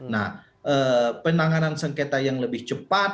nah penanganan sengketa yang lebih cepat